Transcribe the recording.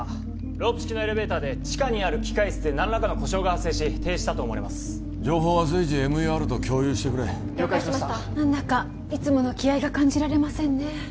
ロープ式のエレベーターで地下にある機械室で何らかの故障が発生し停止したと思われます情報は随時ＭＥＲと共有してくれ何だかいつもの気合が感じられませんね